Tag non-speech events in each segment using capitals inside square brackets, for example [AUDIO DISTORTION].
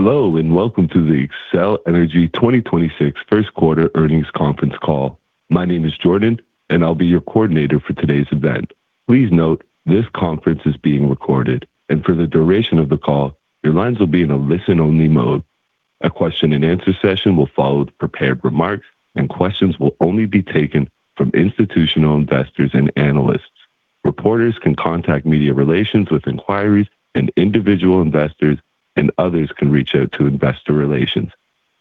Hello, and welcome to the Xcel Energy 2026 fist quarter earnings conference call. My name is Jordan, and I'll be your coordinator for today's event. Please note this conference is being recorded, and for the duration of the call, your lines will be in a listen-only mode. A question and answer session will follow the prepared remarks, and questions will only be taken from institutional investors and analysts. Reporters can contact media relations with inquiries, and individual investors and others can reach out to investor relations.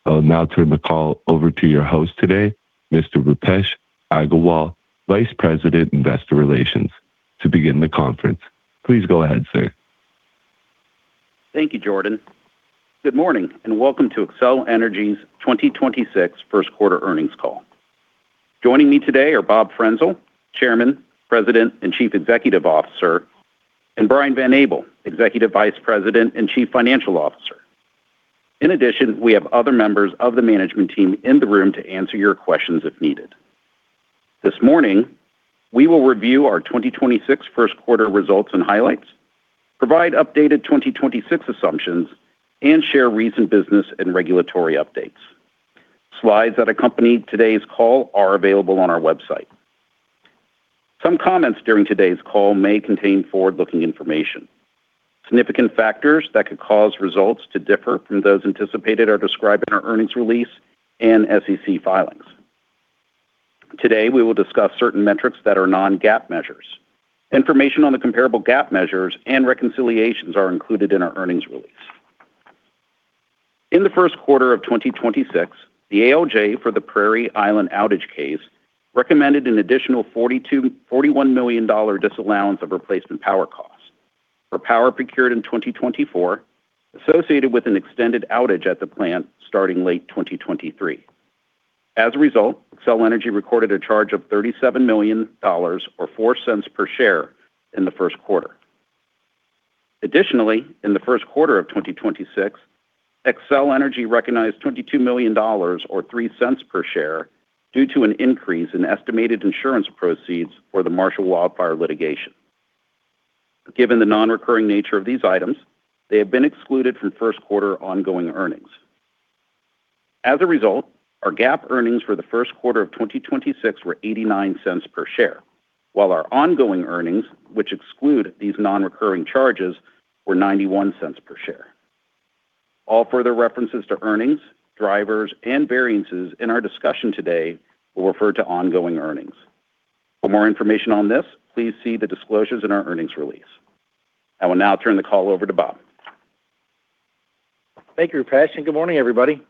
I will now turn the call over to your host today, Mr. Roopesh Aggarwal, Vice President, Investor Relations, to begin the conference. Please go ahead, sir. Thank you, Jordan. Good morning, and welcome to Xcel Energy's 2026 1st quarter earnings call. Joining me today are Bob Frenzel, Chairman, President, and Chief Executive Officer, and Brian Van Abel, Executive Vice President and Chief Financial Officer. In addition, we have other members of the management team in the room to answer your questions if needed. This morning, we will review our 2026 1st quarter results and highlights, provide updated 2026 assumptions, and share recent business and regulatory updates. Slides that accompany today's call are available on our website. Some comments during today's call may contain forward-looking information. Significant factors that could cause results to differ from those anticipated are described in our earnings release and SEC filings. Today, we will discuss certain metrics that are non-GAAP measures. Information on the comparable GAAP measures and reconciliations are included in our earnings release. In the first quarter of 2026, the ALJ for the Prairie Island outage case recommended an additional $41 million disallowance of replacement power costs for power procured in 2024 associated with an extended outage at the plant starting late 2023. Xcel Energy recorded a charge of $37 million or $0.04 per share in the first quarter. In the first quarter of 2026, Xcel Energy recognized $22 million or $0.03 per share due to an increase in estimated insurance proceeds for the Marshall Fire litigation. Given the non-recurring nature of these items, they have been excluded from first quarter ongoing earnings. Our GAAP earnings for the first quarter of 2026 were $0.89 per share, while our ongoing earnings, which exclude these non-recurring charges, were $0.91 per share. All further references to earnings, drivers, and variances in our discussion today will refer to ongoing earnings. For more information on this, please see the disclosures in our earnings release. I will now turn the call over to Bob. Thank you, Roopesh, and good morning, everybody.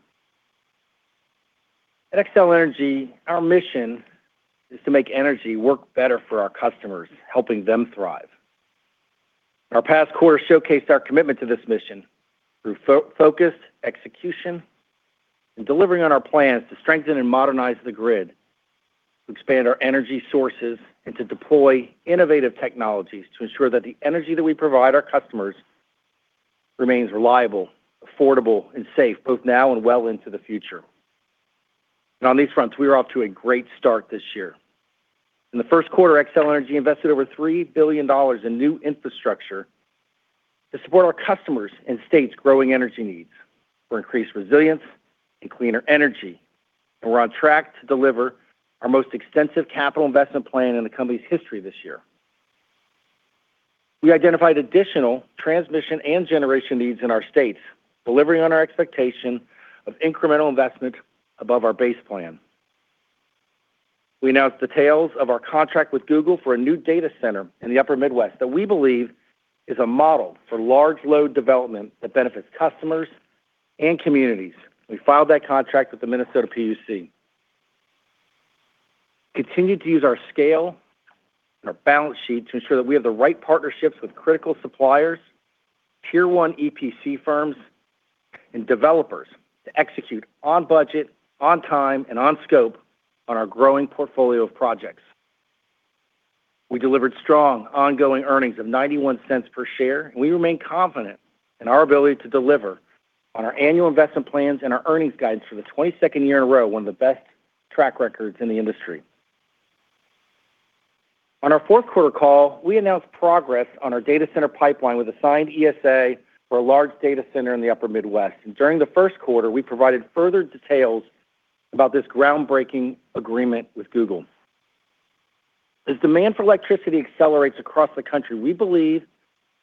At Xcel Energy, our mission is to make energy work better for our customers, helping them thrive. Our past quarter showcased our commitment to this mission through focus, execution, and delivering on our plans to strengthen and modernize the grid, to expand our energy sources, and to deploy innovative technologies to ensure that the energy that we provide our customers remains reliable, affordable, and safe, both now and well into the future. On these fronts, we are off to a great start this year. In the first quarter, Xcel Energy invested over $3 billion in new infrastructure to support our customers' and state's growing energy needs for increased resilience and cleaner energy. We're on track to deliver our most extensive capital investment plan in the company's history this year. We identified additional transmission and generation needs in our states, delivering on our expectation of incremental investment above our base plan. We announced details of our contract with Google for a new data center in the upper Midwest that we believe is a model for large load development that benefits customers and communities. We filed that contract with the Minnesota PUC. Continued to use our scale and our balance sheet to ensure that we have the right partnerships with critical suppliers, Tier 1 EPC firms, and developers to execute on budget, on time, and on scope on our growing portfolio of projects. We delivered strong ongoing earnings of $0.91 per share. We remain confident in our ability to deliver on our annual investment plans and our earnings guidance for the 22nd year in a row, one of the best track records in the industry. On our fourth quarter call, we announced progress on our data center pipeline with assigned ESA for a large data center in the upper Midwest. During the first quarter, we provided further details about this groundbreaking agreement with Google. As demand for electricity accelerates across the country, we believe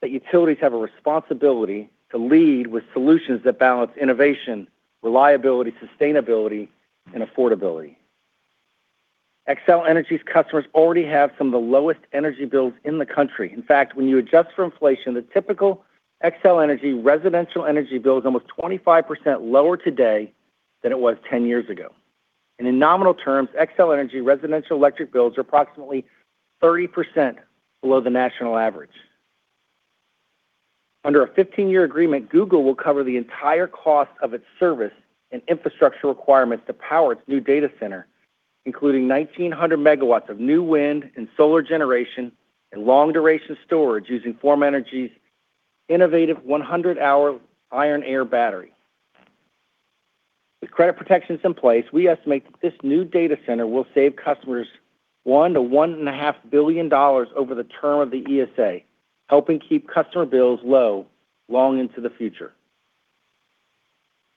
that utilities have a responsibility to lead with solutions that balance innovation, reliability, sustainability, and affordability. Xcel Energy's customers already have some of the lowest energy bills in the country. In fact, when you adjust for inflation, the typical Xcel Energy residential energy bill is almost 25% lower today than it was 10 years ago. In nominal terms, Xcel Energy residential electric bills are approximately 30% below the national average. Under a 15-year agreement, Google will cover the entire cost of its service and infrastructure requirements to power its new data center, including 1,900 megawatts of new wind and solar generation and long-duration storage using Form Energy's innovative 100-hour iron-air battery. With credit protections in place, we estimate this new data center will save customers $1 billion-$1.5 billion over the term of the ESA, helping keep customer bills low long into the future.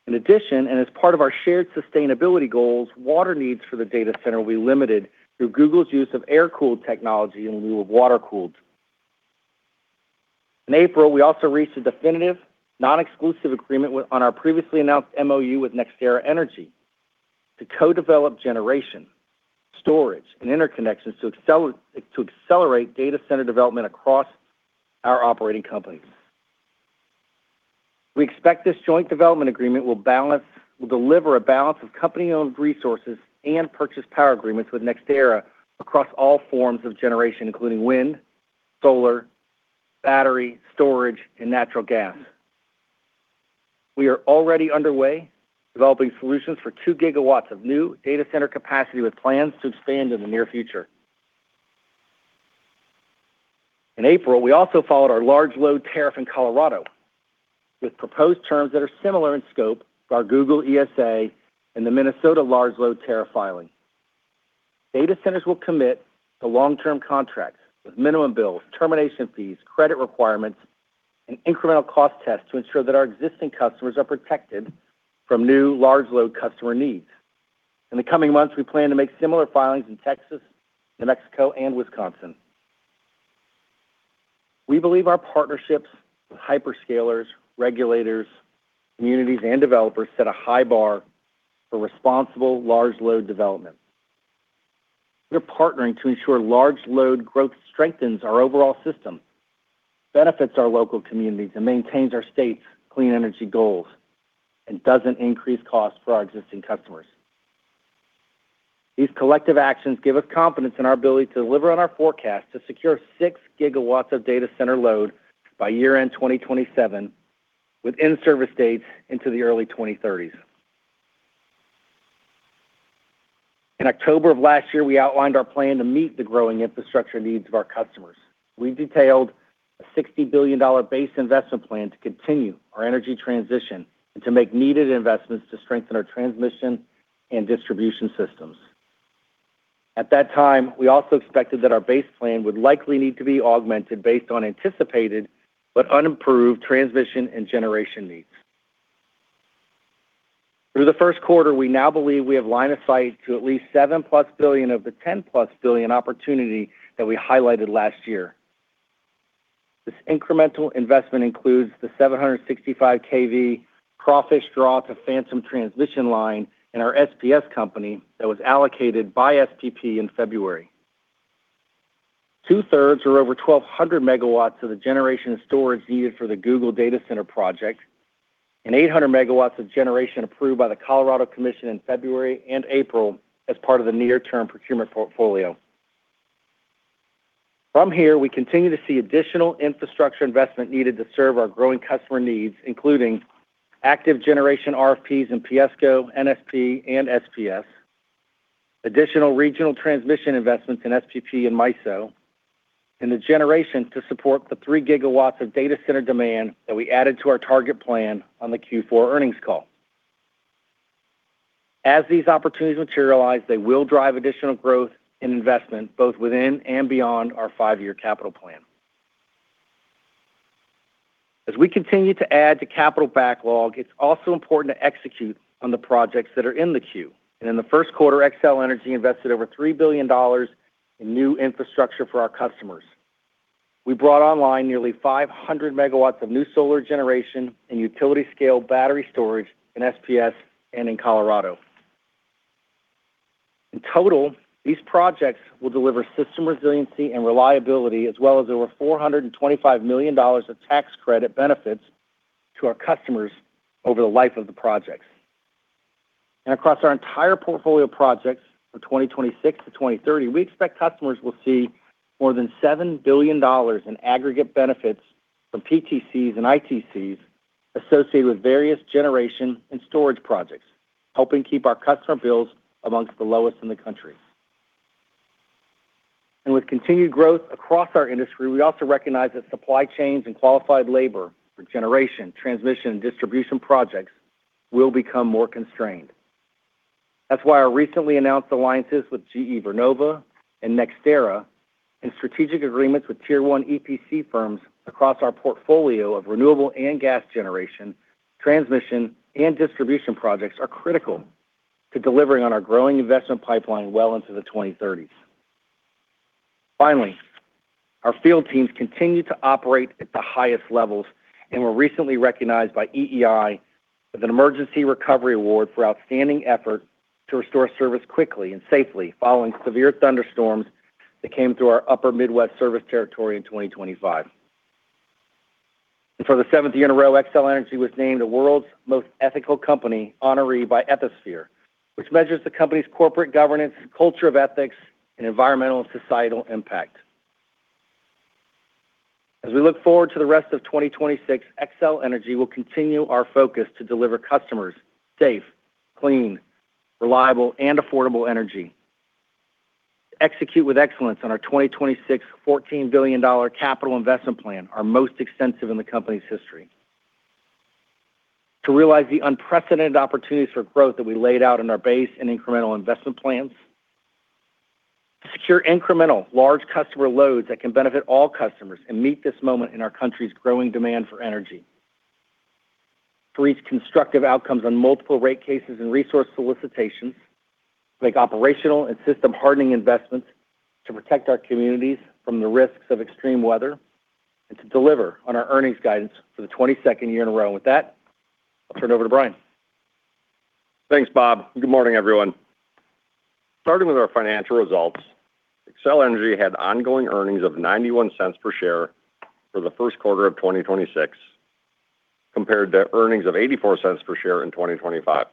In addition, and as part of our shared sustainability goals, water needs for the data center will be limited through Google's use of air-cooled technology in lieu of water-cooled. In April, we also reached a definitive, non-exclusive agreement with, on our previously announced MOU with NextEra Energy to co-develop generation, storage, and interconnections to accelerate data center development across our operating companies. We expect this joint development agreement will deliver a balance of company-owned resources and Power Purchase Agreements with NextEra across all forms of generation, including wind, solar, battery, storage, and natural gas. We are already underway developing solutions for 2GW of new data center capacity with plans to expand in the near future. In April, we also followed our large load tariff in Colorado with proposed terms that are similar in scope to our Google ESA and the Minnesota large load tariff filing. Data centers will commit to long-term contracts with minimum bills, termination fees, credit requirements, and incremental cost tests to ensure that our existing customers are protected from new large load customer needs. In the coming months, we plan to make similar filings in Texas, New Mexico, and Wisconsin. We believe our partnerships with hyperscalers, regulators, communities, and developers set a high bar for responsible large load development. We're partnering to ensure large load growth strengthens our overall system, benefits our local communities, and maintains our state's clean energy goals, and doesn't increase costs for our existing customers. These collective actions give us confidence in our ability to deliver on our forecast to secure 6 GW of data center load by year-end 2027 with in-service dates into the early 2030s. In October of last year, we outlined our plan to meet the growing infrastructure needs of our customers. We detailed a $60 billion base investment plan to continue our energy transition and to make needed investments to strengthen our transmission and distribution systems. At that time, we also expected that our base plan would likely need to be augmented based on anticipated but unimproved transmission and generation needs. Through the first quarter, we now believe we have line of sight to at least $7+ billion of the $10+ billion opportunity that we highlighted last year. This incremental investment includes the 765 kV Crawfish Draw to Phantom transmission line in our SPS Company that was allocated by SPP in February. Two-thirds or over 1,200 MW of the generation and storage needed for the Google data center project and 800 MW of generation approved by the Colorado Commission in February and April as part of the near-term procurement portfolio. From here, we continue to see additional infrastructure investment needed to serve our growing customer needs, including active generation RFPs in PSCO, NSP, and SPS, additional regional transmission investments in SPP and MISO, and the generation to support the 3 GW of data center demand that we added to our target plan on the Q4 earnings call. As these opportunities materialize, they will drive additional growth and investment both within and beyond our five-year capital plan. As we continue to add to capital backlog, it's also important to execute on the projects that are in the queue. In the first quarter, Xcel Energy invested over $3 billion in new infrastructure for our customers. We brought online nearly 500 MW of new solar generation and utility-scale battery storage in SPS and in Colorado. In total, these projects will deliver system resiliency and reliability, as well as over $425 million of tax credit benefits to our customers over the life of the projects. Across our entire portfolio of projects from 2026 to 2030, we expect customers will see more than $7 billion in aggregate benefits from PTCs and ITCs associated with various generation and storage projects, helping keep our customer bills amongst the lowest in the country. With continued growth across our industry, we also recognize that supply chains and qualified labor for generation, transmission, and distribution projects will become more constrained. That's why our recently announced alliances with GE Vernova and NextEra and strategic agreements with Tier 1 EPC firms across our portfolio of renewable and gas generation, transmission, and distribution projects are critical to delivering on our growing investment pipeline well into the 2030s. Finally, our field teams continue to operate at the highest levels and were recently recognized by EEI with an Emergency Recovery Award for outstanding effort to restore service quickly and safely following severe thunderstorms that came through our upper Midwest service territory in 2025. For the seventh year in a row, Xcel Energy was named the World's Most Ethical Companies honoree by Ethisphere, which measures the company's corporate governance, culture of ethics, and environmental and societal impact. As we look forward to the rest of 2026, Xcel Energy will continue our focus to deliver customers safe, clean, reliable, and affordable energy. Execute with excellence on our 2026 $14 billion capital investment plan, our most extensive in the company's history, to realize the unprecedented opportunities for growth that we laid out in our base and incremental investment plans, to secure incremental large customer loads that can benefit all customers and meet this moment in our country's growing demand for energy, to reach constructive outcomes on multiple rate cases and resource solicitations. Make operational and system hardening investments to protect our communities from the risks of extreme weather, and to deliver on our earnings guidance for the 22nd year in a row. With that, I'll turn it over to Brian. Thanks, Bob. Good morning, everyone. Starting with our financial results, Xcel Energy had ongoing earnings of $0.91 per share for the first quarter of 2026, compared to earnings of $0.84 per share in 2025.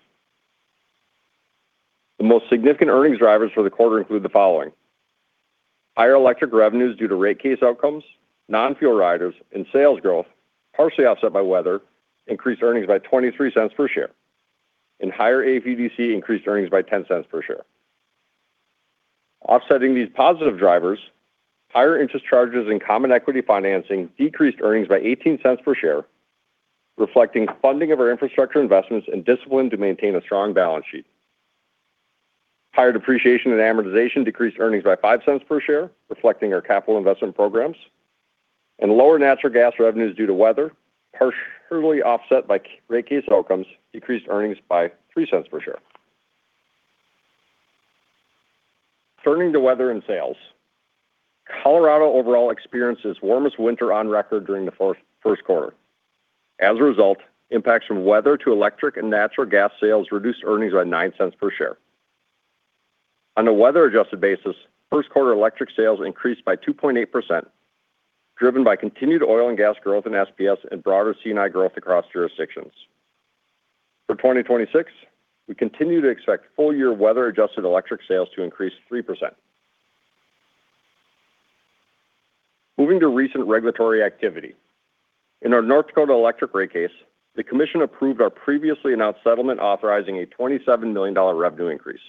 The most significant earnings drivers for the quarter include the following. Higher electric revenues due to rate case outcomes, non-fuel riders and sales growth, partially offset by weather, increased earnings by $0.23 per share. Higher AFUDC increased earnings by $0.10 per share. Offsetting these positive drivers, higher interest charges and common equity financing decreased earnings by $0.18 per share, reflecting funding of our infrastructure investments and discipline to maintain a strong balance sheet. Higher depreciation and amortization decreased earnings by $0.05 per share, reflecting our capital investment programs. Lower natural gas revenues due to weather, partially offset by rate case outcomes, decreased earnings by $0.03 per share. Turning to weather and sales. Colorado overall experienced its warmest winter on record during the first quarter. As a result, impacts from weather to electric and natural gas sales reduced earnings by $0.09 per share. On a weather-adjusted basis, first quarter electric sales increased by 2.8%, driven by continued oil and gas growth in SPS and broader C&I growth across jurisdictions. For 2026, we continue to expect full-year weather-adjusted electric sales to increase 3%. Moving to recent regulatory activity. In our North Dakota electric rate case, the commission approved our previously announced settlement authorizing a $27 million revenue increase.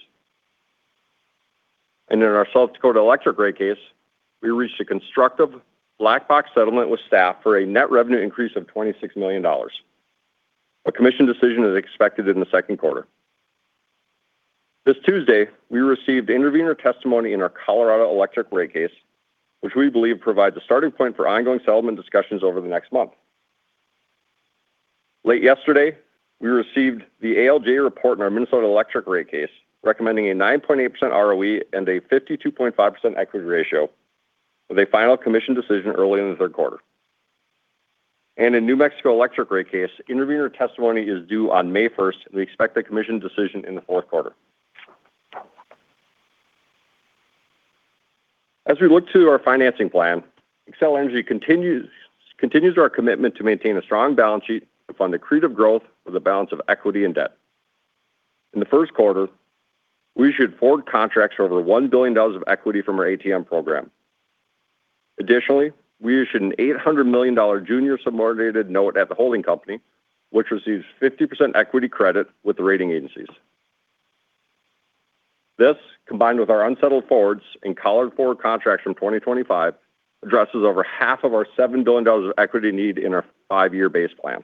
In our South Dakota electric rate case, we reached a constructive black box settlement with staff for a net revenue increase of $26 million. A commission decision is expected in the second quarter. This Tuesday, we received intervener testimony in our Colorado electric rate case, which we believe provides a starting point for ongoing settlement discussions over the next month. Late yesterday, we received the ALJ report in our Minnesota electric rate case, recommending a 9.8% ROE and a 52.5% equity ratio, with a final commission decision early in the third quarter. In New Mexico electric rate case, intervener testimony is due on May 1st, and we expect the commission decision in the fourth quarter. As we look to our financing plan, Xcel Energy continues our commitment to maintain a strong balance sheet to fund accretive growth with a balance of equity and debt. In the first quarter, we issued forward contracts for over $1 billion of equity from our ATM program. Additionally, we issued an $800 million junior subordinated note at the holding company, which receives 50% equity credit with the rating agencies. This, combined with our unsettled forwards and collared forward contracts from 2025, addresses over half of our $7 billion of equity need in our five-year base plan.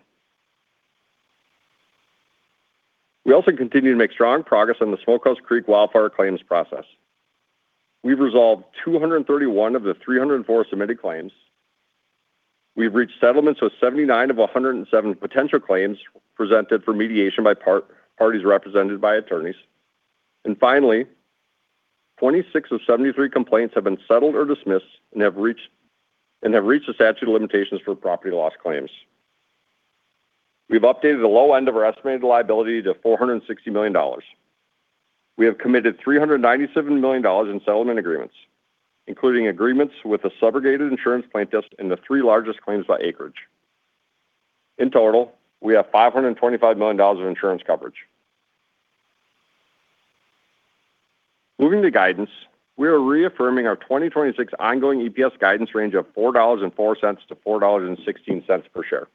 We also continue to make strong progress on the Smokehouse Creek wildfire claims process. We've resolved 231 of the 304 submitted claims. We've reached settlements with 79 of 107 potential claims presented for mediation by parties represented by attorneys. Finally, 26 of 73 complaints have been settled or dismissed and have reached the statute of limitations for property loss claims. We've updated the low end of our estimated liability to $460 million. We have committed $397 million in settlement agreements, including agreements with the subrogated insurance plaintiffs in the three largest claims by acreage. In total, we have $525 million of insurance coverage. Moving to guidance, we are reaffirming our 2026 ongoing EPS guidance range of $4.04-$4.16 per share.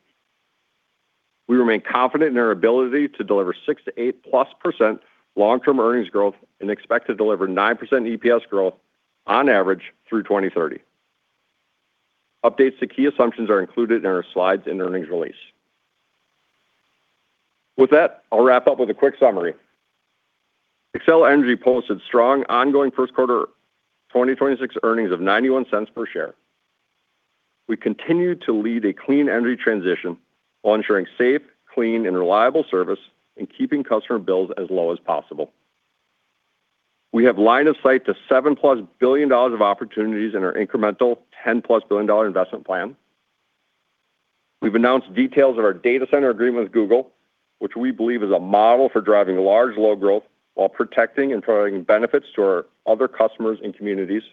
We remain confident in our ability to deliver 6%-8%+ long-term earnings growth and expect to deliver 9% EPS growth on average through 2030. Updates to key assumptions are included in our slides and earnings release. With that, I'll wrap up with a quick summary. Xcel Energy posted strong ongoing first quarter 2026 earnings of $0.91 per share. We continue to lead a clean energy transition while ensuring safe, clean and reliable service and keeping customer bills as low as possible. We have line of sight to $7+ billion of opportunities in our incremental $10+ billion investment plan. We've announced details of our data center agreement with Google, which we believe is a model for driving large load growth while protecting and providing benefits to our other customers and communities.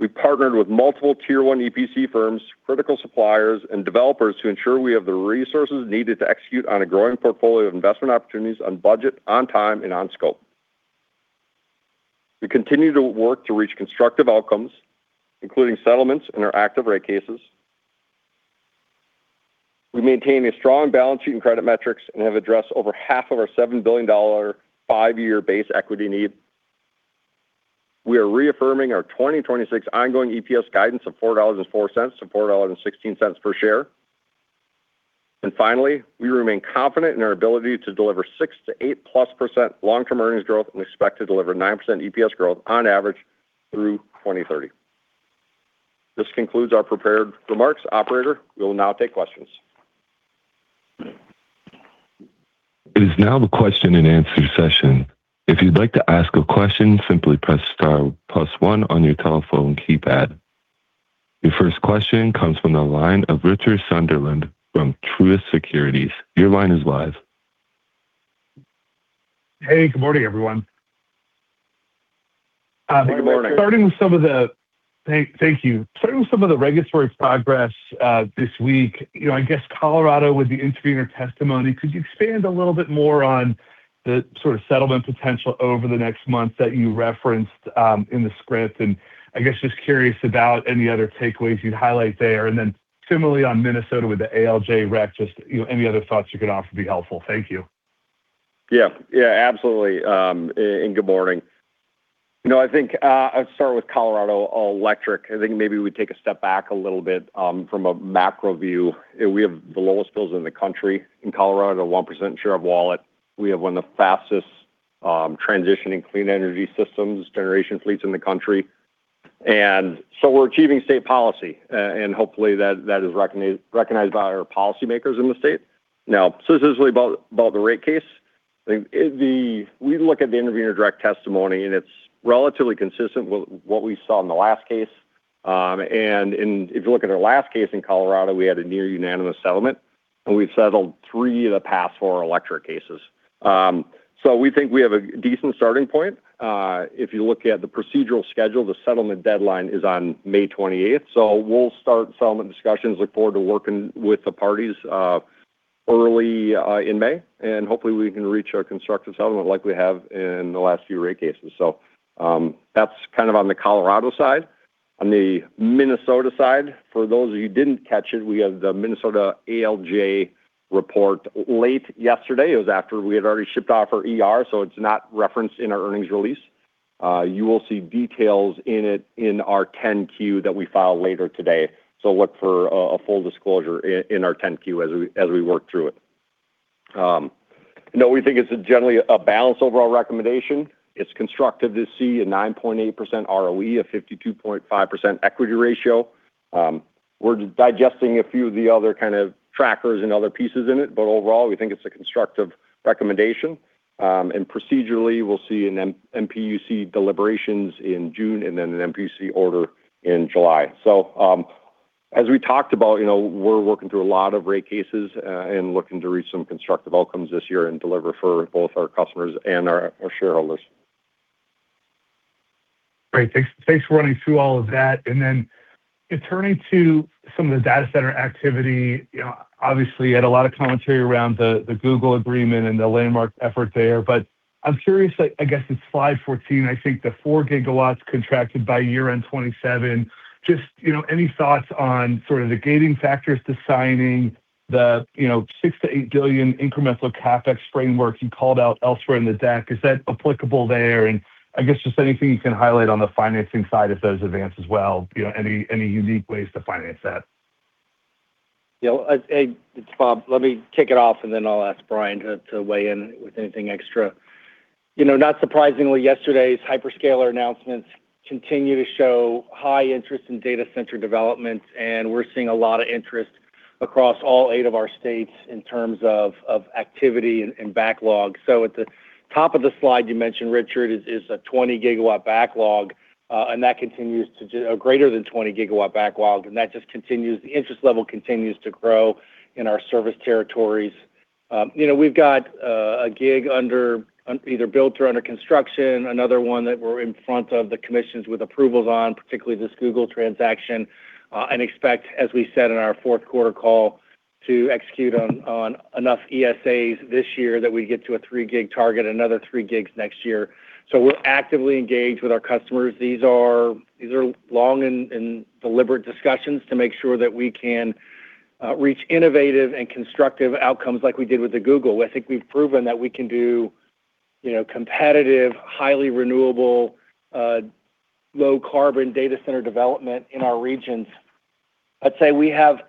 We've partnered with multiple Tier 1 EPC firms, critical suppliers and developers to ensure we have the resources needed to execute on a growing portfolio of investment opportunities on budget, on time and on scope. We continue to work to reach constructive outcomes, including settlements in our active rate cases. We maintain a strong balance sheet and credit metrics and have addressed over half of our $7 billion five-year base equity need. We are reaffirming our 2026 ongoing EPS guidance of $4.04-$4.16 per share. Finally, we remain confident in our ability to deliver 6%-8%+ long-term earnings growth and expect to deliver 9% EPS growth on average through 2030. This concludes our prepared remarks. Operator, we will now take questions. Your first question comes from the line of Richard Sunderland from Truist Securities. Your line is live. Hey, good morning, everyone. Good morning. Thank you. Starting with some of the regulatory progress, this week, you know, I guess Colorado with the intervener testimony, could you expand a little bit more on the sort of settlement potential over the next month that you referenced, in the script? I guess just curious about any other takeaways you'd highlight there. Similarly on Minnesota with the ALJ rec, just, you know, any other thoughts you could offer would be helpful. Thank you. Yeah. Yeah, absolutely, and good morning. You know, I think, I'll start with Colorado All Electric. I think maybe we take a step back a little bit from a macro view. We have the lowest bills in the country. In Colorado, a 1% share of wallet. We have one of the fastest transitioning clean energy systems, generation fleets in the country. We're achieving state policy, and hopefully that is recognized by our policymakers in the state. Now, specifically about the rate case. We look at the intervener direct testimony, and it's relatively consistent with what we saw in the last case. If you look at our last case in Colorado, we had a near unanimous settlement, and we've settled three of the past four electric cases. We think we have a decent starting point. If you look at the procedural schedule, the settlement deadline is on May 28th. We'll start settlement discussions, look forward to working with the parties early in May, and hopefully we can reach a constructive settlement like we have in the last few rate cases. That's kind of on the Colorado side. On the Minnesota side, for those of you who didn't catch it, we had the Minnesota ALJ report late yesterday. It was after we had already shipped off our ER, so it's not referenced in our earnings release. You will see details in it in our 10-Q that we file later today. Look for a full disclosure in our 10-Q as we work through it. You know, we think it's a generally a balanced overall recommendation. It's constructive to see a 9.8% ROE, a 52.5% equity ratio. We're digesting a few of the other kind of trackers and other pieces in it, but overall, we think it's a constructive recommendation. Procedurally, we'll see an MPUC deliberations in June and then an MPUC order in July. As we talked about, you know, we're working through a lot of rate cases, and looking to reach some constructive outcomes this year and deliver for both our customers and our shareholders. Great. Thanks for running through all of that. Turning to some of the data center activity, you know, obviously, you had a lot of commentary around the Google agreement and the landmark effort there. I'm curious, I guess it's slide 14, I think the 4 GW contracted by year-end 2027, just, you know, any thoughts on sort of the gating factors to signing the, you know, $6 billion-$8 billion incremental CapEx framework you called out elsewhere in the deck? Is that applicable there? I guess just anything you can highlight on the financing side of those advances as well, you know, any unique ways to finance that? You know, hey, it's Bob. Let me kick it off, and then I'll ask Brian to weigh in with anything extra. You know, not surprisingly, yesterday's hyperscaler announcements continue to show high interest in data center developments, and we're seeing a lot of interest across all eight of our states in terms of activity and backlog. At the top of the slide you mentioned, Richard, is a 20 GW backlog, and that continues to a greater than 20 GW backlog, and that just continues, the interest level continues to grow in our service territories. you know, we've got a gig under either built or under construction, another one that we're in front of the commissions with approvals on, particularly this Google transaction, and expect, as we said in our fourth quarter call, to execute on enough ESAs this year that we get to a 3 GW target, another 3 GW next year. We're actively engaged with our customers. These are long and deliberate discussions to make sure that we can reach innovative and constructive outcomes like we did with the Google. I think we've proven that we can do, you know, competitive, highly renewable, low carbon data center development in our regions. I'd say we have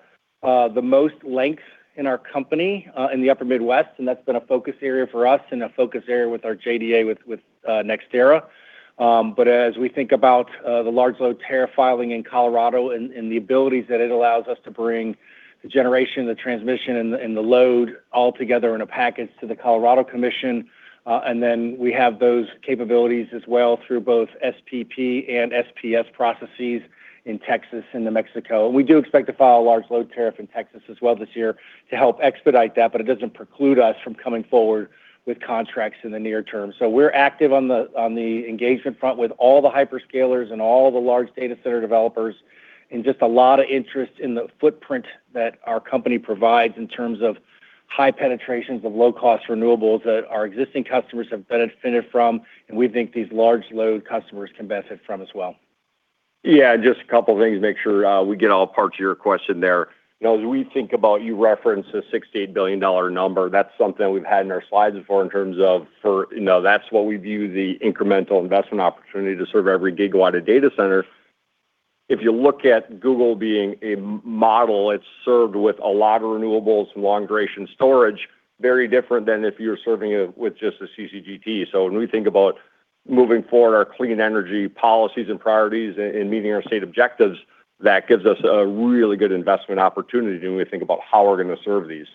the most length in our company in the upper Midwest, and that's been a focus area for us and a focus area with our JDA with NextEra. As we think about the large load tariff filing in Colorado and the abilities that it allows us to bring the generation, the transmission, and the load all together in a package to the Colorado Commission, and then we have those capabilities as well through both SPP and SPS processes in Texas and New Mexico. We do expect to file a large load tariff in Texas as well this year to help expedite that, but it doesn't preclude us from coming forward with contracts in the near term. We're active on the, on the engagement front with all the hyperscalers and all the large data center developers, and just a lot of interest in the footprint that our company provides in terms of high penetrations of low cost renewables that our existing customers have benefited from, and we think these large load customers can benefit from as well. Just a couple of things, make sure we get all parts of your question there. You know, as we think about, you referenced the $68 billion number, that's something we've had in our slides before in terms of for, you know, that's what we view the incremental investment opportunity to serve every gigawatt of data center. If you look at Google being a model, it's served with a lot of renewables and long duration storage, very different than if you're serving it with just a CCGT. When we think about moving forward our clean energy policies and priorities and meeting our state objectives, that gives us a really good investment opportunity when we think about how we're going to serve these.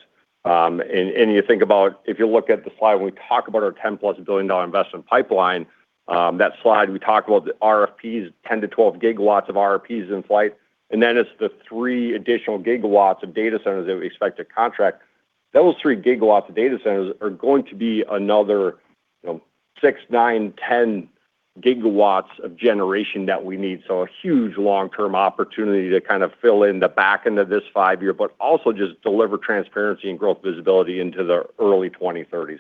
You think about if you look at the slide, when we talk about our $10+ billion investment pipeline, that slide, we talk about the RFPs, 10 GW-12 GW of RFPs in flight, it's the three additional gigawatts of data centers that we expect to contract. Those 3 GW of data centers are going to be another, you know, 6 GW, 9 GW, 10 GW of generation that we need. A huge long-term opportunity to kind of fill in the back end of this five-year, but also just deliver transparency and growth visibility into the early 2030s.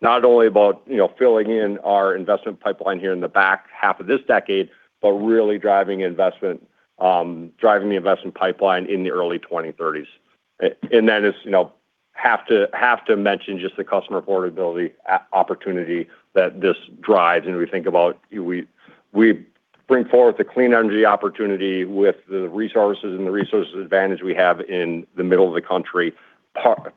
Not only about, you know, filling in our investment pipeline here in the back half of this decade, but really driving investment, driving the investment pipeline in the early 2030s. That is, you know, have to mention just the customer affordability opportunity that this drives. We think about we bring forward the clean energy opportunity with the resources and the resources advantage we have in the middle of the country,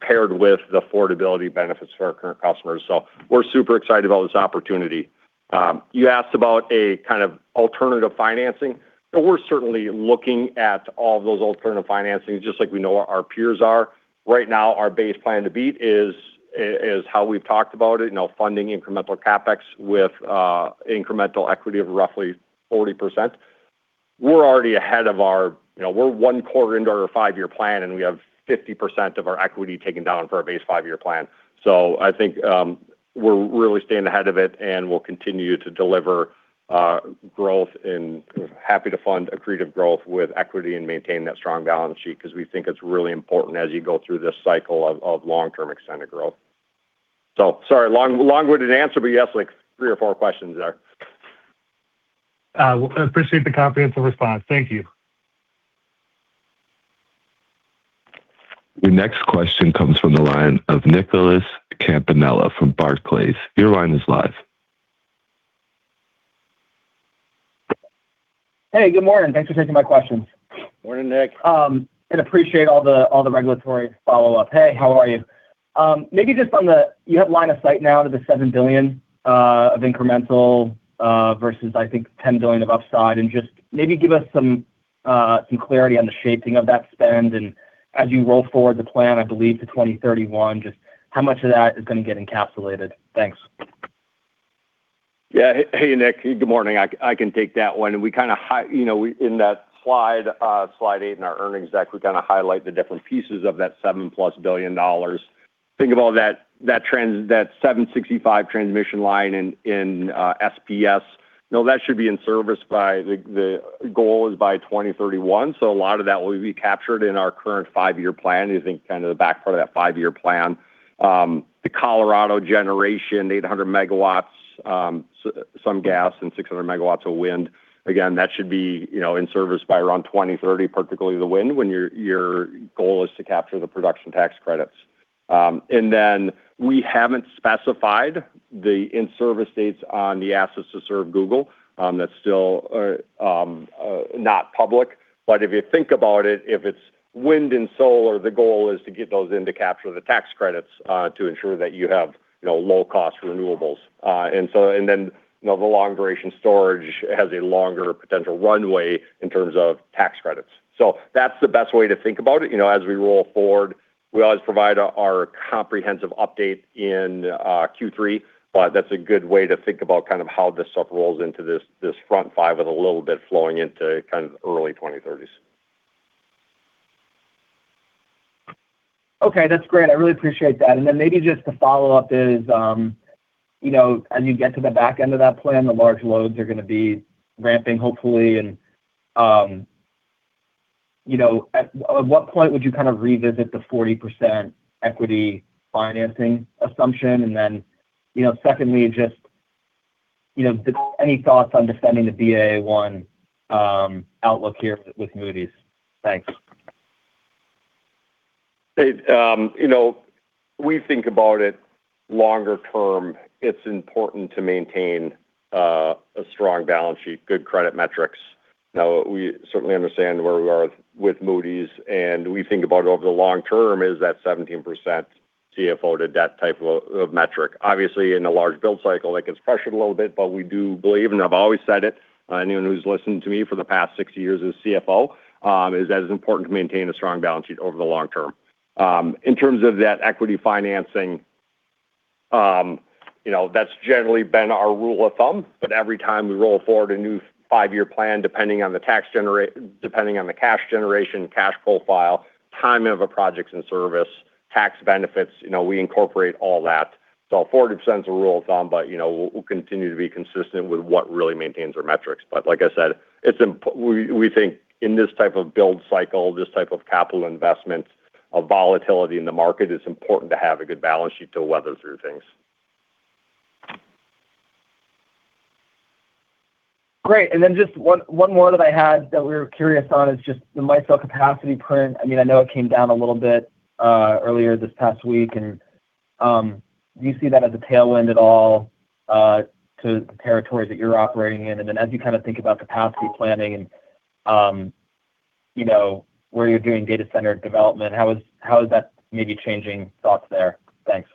paired with the affordability benefits for our current customers. We're super excited about this opportunity. You asked about a kind of alternative financing, we're certainly looking at all those alternative financings, just like we know our peers are. Right now, our base plan to beat is how we've talked about it, you know, funding incremental CapEx with incremental equity of roughly 40%. We're already ahead of our, you know, we're one quarter into our five-year plan, and we have 50% of our equity taken down for our base five-year plan. I think, we're really staying ahead of it, and we'll continue to deliver growth and happy to fund accretive growth with equity and maintain that strong balance sheet because we think it's really important as you go through this cycle of long-term extended growth. Sorry, long-winded answer, but you asked, like, three or four questions there. Appreciate the comprehensive response. Thank you. Your next question comes from the line of Nicholas Campanella from Barclays. Your line is live. Hey, good morning. Thanks for taking my questions. Morning, Nick. Appreciate all the regulatory follow-up. Hey, how are you? You have line of sight now to the $7 billion of incremental versus I think $10 billion of upside, and just maybe give us some clarity on the shaping of that spend, and as you roll forward the plan, I believe, to 2031, just how much of that is going to get encapsulated? Thanks. Yeah. Hey, Nick. Good morning. I can take that one. We kinda You know, we, in that slide eight in our earnings deck, we kinda highlight the different pieces of that $7+ billion. Think about that 765 transmission line in SPS. You know, that should be in service by, the goal is by 2031, so a lot of that will be captured in our current five-year plan. I think kind of the back part of that five-year plan. The Colorado generation, 800 MW, some gas and 600 MW of wind. Again, that should be, you know, in service by around 2030, particularly the wind, when your goal is to capture the Production Tax Credits. Then we haven't specified the in-service dates on the assets to serve Google. That's still not public. If you think about it, if it's wind and solar, the goal is to get those in to capture the tax credits to ensure that you have, you know, low-cost renewables. And then, you know, the long-duration storage has a longer potential runway in terms of tax credits. That's the best way to think about it. You know, as we roll forward, we always provide our comprehensive update in Q3, but that's a good way to think about kind of how this stuff rolls into this front five with a little bit flowing into kind of early 2030s. Okay, that's great. I really appreciate that. Maybe just to follow up is, you know, as you get to the back end of that plan, the large loads are gonna be ramping, hopefully. You know, at what point would you kind of revisit the 40% equity financing assumption? Secondly, just any thoughts on defending the Baa1 outlook here with Moody's? Thanks. It, you know, we think about it longer term, it's important to maintain a strong balance sheet, good credit metrics. Now, we certainly understand where we are with Moody's, and we think about over the long term is that 17% CFO to debt type of metric. Obviously, in a large build cycle, that gets pressured a little bit, but we do believe, and I've always said it, anyone who's listened to me for the past six years as CFO, is that it's important to maintain a strong balance sheet over the long term. In terms of that equity financing, you know, that's generally been our rule of thumb, but every time we roll forward a new five-year plan, depending on the cash generation, cash profile, timing of a project's in service, tax benefits, you know, we incorporate all that. 40% is a rule of thumb, but, you know, we'll continue to be consistent with what really maintains our metrics. Like I said, We think in this type of build cycle, this type of capital investment, a volatility in the market, it's important to have a good balance sheet to weather through things. Great. Just one more that I had that we were curious on is just the MISO capacity print. I mean, I know it came down a little bit earlier this past week. Do you see that as a tailwind at all to the territories that you're operating in? As you kind of think about capacity planning and, you know, where you're doing data center development, how is that maybe changing thoughts there? Thanks.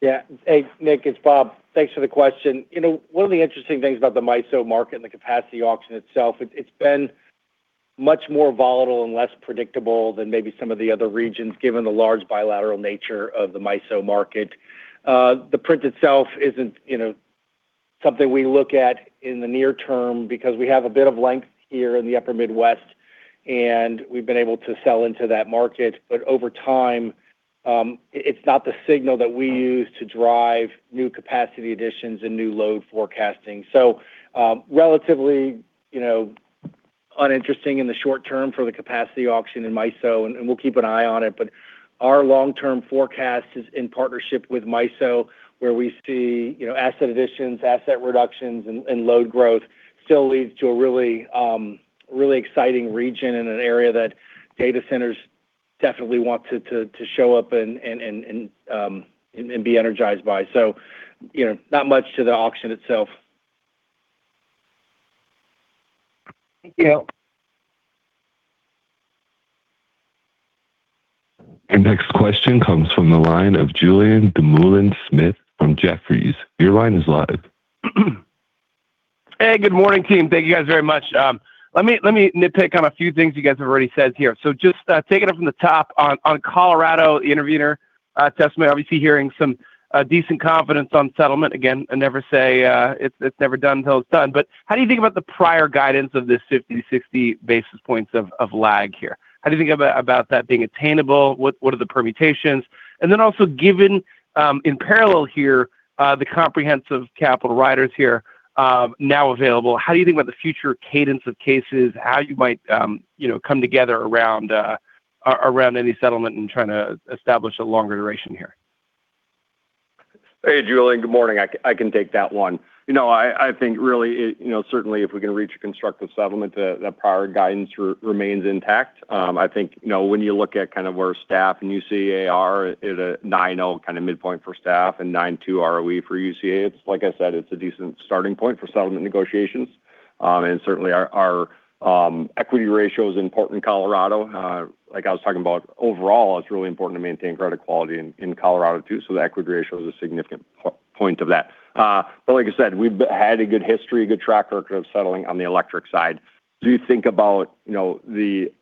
Yeah. Hey, Nick, it's Bob. Thanks for the question. You know, one of the interesting things about the MISO market and the capacity auction itself, it's been much more volatile and less predictable than maybe some of the other regions, given the large bilateral nature of the MISO market. The print itself isn't, you know, something we look at in the near term because we have a bit of length here in the upper Midwest, and we've been able to sell into that market. Over time, it's not the signal that we use to drive new capacity additions and new load forecasting. Relatively, you know, uninteresting in the short term for the capacity auction in MISO, and we'll keep an eye on it. Our long-term forecast is in partnership with MISO, where we see, you know, asset additions, asset reductions and load growth still leads to a really exciting region and an area that data centers definitely want to show up and be energized by. You know, not much to the auction itself. Thank you. Your next question comes from the line of Julien Dumoulin-Smith from Jefferies. Your line is live. Hey, good morning, team. Thank you guys very much. Let me nitpick on a few things you guys have already said here. Just taking it from the top on Colorado intervener testimony, obviously hearing some decent confidence on settlement. Again, I never say it's never done till it's done. How do you think about the prior guidance of this 50 basis points, 60 basis points of lag here? How do you think about that being attainable? What are the permutations? Then also given in parallel here, the comprehensive capital riders here, now available, how do you think about the future cadence of cases? How you might, you know, come together around any settlement and trying to establish a longer duration here? Hey, Julien. Good morning. I can take that one. You know, I think really it, you know, certainly if we can reach a constructive settlement, the prior guidance remains intact. I think, you know, when you look at kind of where staff and UCA are at a 9.0 kind of midpoint for staff and 9.2 ROE for UCA, it's like I said, it's a decent starting point for settlement negotiations. Certainly our equity ratio is important in Colorado. Like I was talking about overall, it's really important to maintain credit quality in Colorado too, so the equity ratio is a significant point of that. Like I said, we've had a good history, a good track record of settling on the electric side. As you think about, you know, the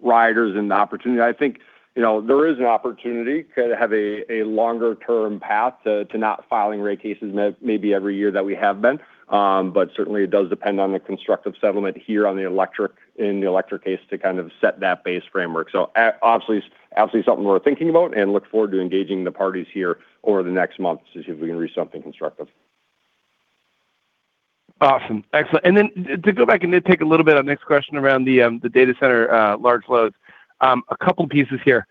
riders and the opportunity, I think, you know, there is an opportunity to have a longer-term path to not filing rate cases maybe every year that we have been. Certainly it does depend on the constructive settlement here on the electric, in the electric case to kind of set that base framework. Obviously, absolutely something we're thinking about and look forward to engaging the parties here over the next month to see if we can reach something constructive. Awesome. Excellent. To go back and nitpick a little bit on the next question around the data center large loads. A couple pieces here.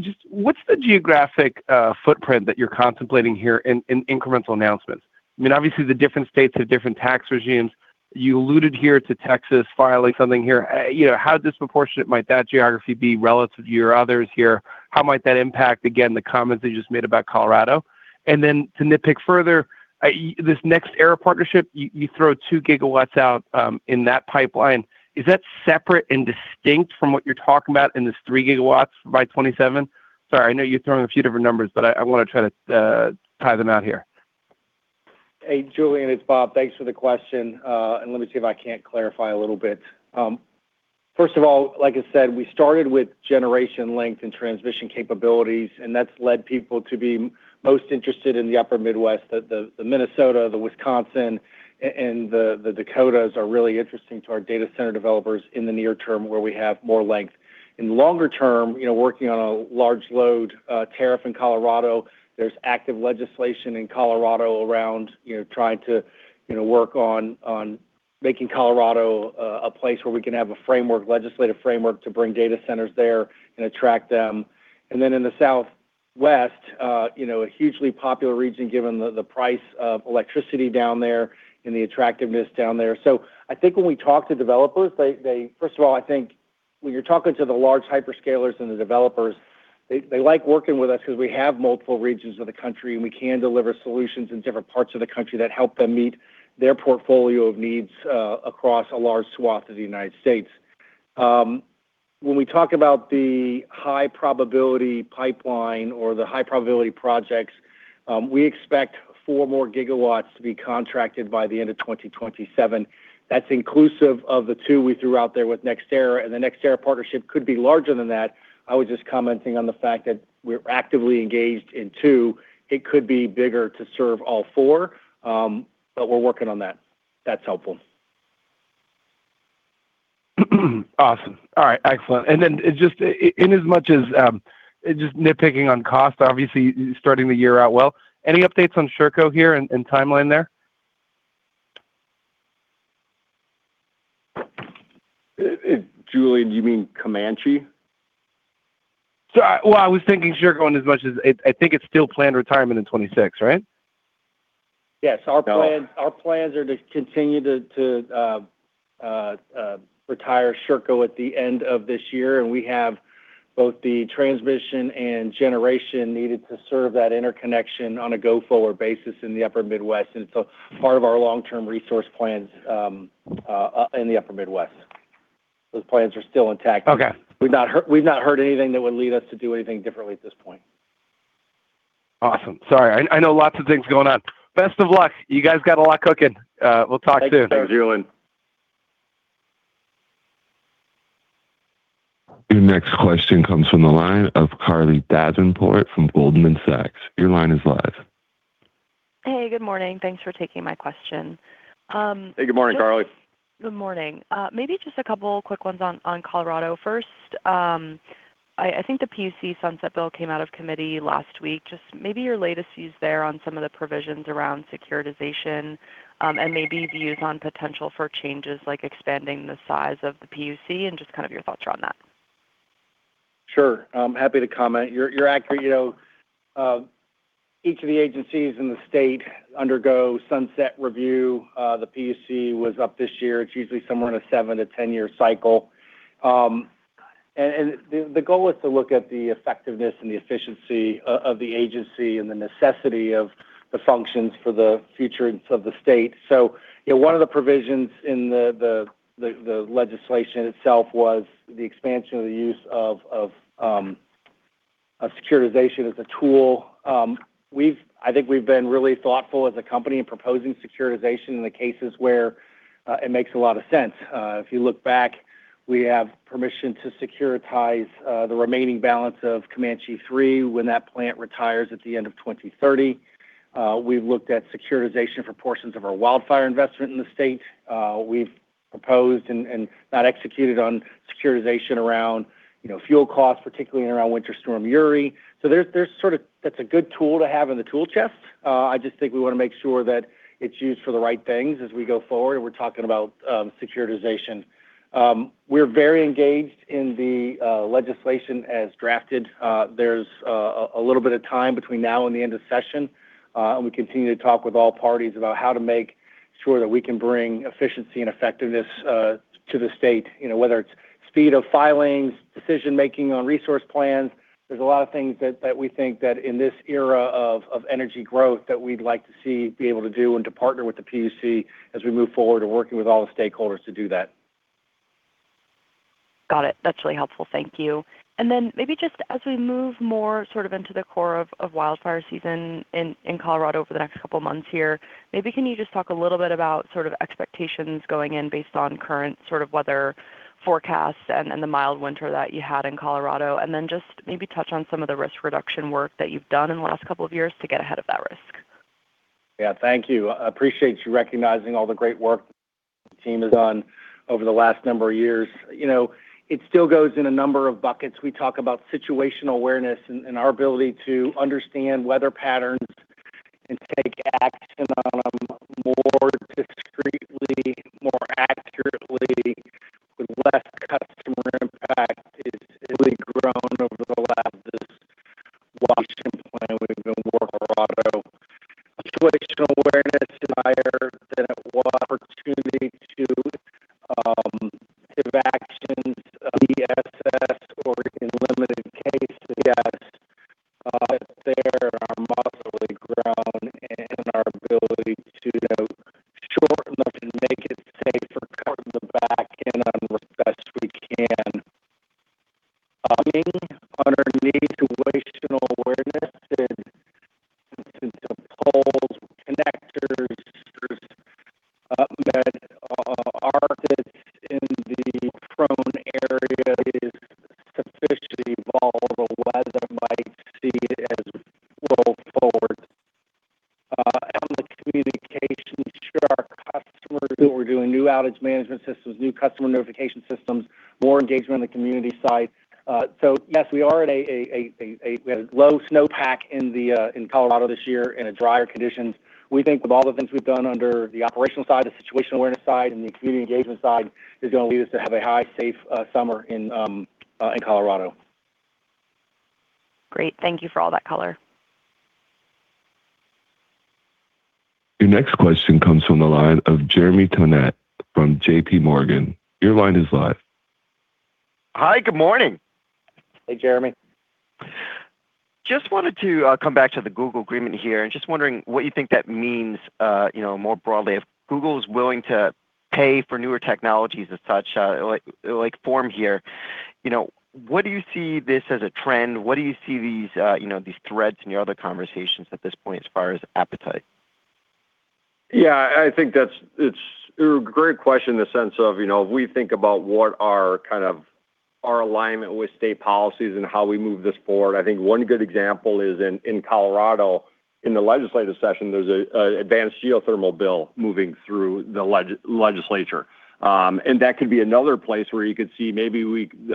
Just what's the geographic footprint that you're contemplating here in incremental announcements? I mean, obviously the different states have different tax regimes. You alluded here to Texas filing something here. You know, how disproportionate might that geography be relative to your others here? How might that impact, again, the comments you just made about Colorado? To nitpick further, this NextEra partnership, you throw 2 GW out in that pipeline. Is that separate and distinct from what you're talking about in this 3 GW by 2027? Sorry, I know you're throwing a few different numbers, but I wanna try to tie them out here. Hey, Julien, it's Bob. Thanks for the question. Let me see if I can't clarify a little bit. First of all, like I said, we started with generation length and transmission capabilities, that's led people to be most interested in the upper Midwest. The Minnesota, Wisconsin, the Dakotas are really interesting to our data center developers in the near term where we have more length. In the longer term, you know, working on a large load tariff in Colorado. There's active legislation in Colorado around, you know, trying to, you know, work on making Colorado a place where we can have a framework, legislative framework to bring data centers there and attract them. In the Southwest, you know, a hugely popular region given the price of electricity down there and the attractiveness down there. I think when we talk to developers, they First of all, I think when you're talking to the large hyperscalers and the developers, they like working with us because we have multiple regions of the country, and we can deliver solutions in different parts of the country that help them meet their portfolio of needs across a large swath of the U.S. When we talk about the high probability pipeline or the high probability projects, we expect four more gigawatts to be contracted by the end of 2027. That's inclusive of the 2 GW we threw out there with NextEra, and the NextEra partnership could be larger than that. I was just commenting on the fact that we're actively engaged in 2 GW. It could be bigger to serve all 4 GW, but we're working on that. If that's helpful. Awesome. All right, excellent. Then just in as much as, just nitpicking on cost, obviously starting the year out well. Any updates on Sherco here and timeline there? Julien, do you mean Comanche? I was thinking Sherco as much as I think it's still planned retirement in 2026, right? Yes. No. Our plans are to continue to retire Sherco at the end of this year. We have both the transmission and generation needed to serve that interconnection on a go-forward basis in the upper Midwest. Part of our long-term resource plans in the upper Midwest, those plans are still intact. Okay. We've not heard anything that would lead us to do anything differently at this point. Awesome. Sorry, I know lots of things going on. Best of luck. You guys got a lot cooking. We'll talk soon. Thanks, Julien. Your next question comes from the line of Carly Davenport from Goldman Sachs. Your line is live. Hey, good morning. Thanks for taking my question. Hey, good morning, Carly. Good morning. Maybe just a couple quick ones on Colorado. First, I think the PUC sunset bill came out of committee last week. Just maybe your latest views there on some of the provisions around securitization, and maybe views on potential for changes like expanding the size of the PUC and just kind of your thoughts around that? Sure. I'm happy to comment. You're accurate, you know, each of the agencies in the state undergo sunset review. The PUC was up this year. It's usually somewhere in a seven to 10 year cycle. The goal is to look at the effectiveness and the efficiency of the agency and the necessity of the functions for the future of the state. You know, one of the provisions in the legislation itself was the expansion of the use of a securitization as a tool. I think we've been really thoughtful as a company in proposing securitization in the cases where it makes a lot of sense. If you look back, we have permission to securitize the remaining balance of Comanche 3 when that plant retires at the end of 2030. We've looked at securitization for portions of our wildfire investment in the state. We've proposed and not executed on securitization around, you know, fuel costs, particularly around Winter Storm Uri. That's a good tool to have in the tool chest. I just think we wanna make sure that it's used for the right things as we go forward, and we're talking about securitization. We're very engaged in the legislation as drafted. There's a little bit of time between now and the end of session, and we continue to talk with all parties about how to make sure that we can bring efficiency and effectiveness to the state, you know, whether it's speed of filings, decision-making on resource plans. There's a lot of things that we think that in this era of energy growth that we'd like to see, be able to do, and to partner with the PUC as we move forward and working with all the stakeholders to do that. Got it. That's really helpful. Thank you. Then maybe just as we move more sort of into the core of wildfire season in Colorado over the next couple of months here, maybe can you just talk a little bit about sort of expectations going in based on current sort of weather forecasts and the mild winter that you had in Colorado? Then just maybe touch on some of the risk reduction work that you've done in the last couple of years to get ahead of that risk. Yeah, thank you. I appreciate you recognizing all the great work the team has done over the last number of years. You know, it still goes in a number of buckets. We talk about situational awareness and our ability to understand weather patterns and take action on them more discreetly, more accurately with less customer impact is really- [AUDIO DISTORTION] On the communication to our customers who are doing new outage management systems, new customer notification systems, more engagement on the community side. Yes, we are at a low snowpack in Colorado this year in drier conditions. We think with all the things we've done under the operational side, the situational awareness side, and the community engagement side is gonna lead us to have a high safe summer in Colorado. Great. Thank you for all that color. Your next question comes from the line of Jeremy Tonet from JPMorgan. Your line is live. Hi, good morning. Hey, Jeremy. Just wanted to come back to the Google agreement here and just wondering what you think that means, you know, more broadly. If Google is willing to pay for newer technologies as such, like Form here, you know, what do you see this as a trend? What do you see these, you know, these threads in your other conversations at this point as far as appetite? Yeah, I think it's a great question in the sense of, you know, if we think about what our kind of our alignment with state policies and how we move this forward. I think one good example is in Colorado. In the legislative session, there's an advanced geothermal bill moving through the legislature. That could be another place where you could see maybe